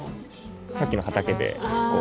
さっきの畑でこう。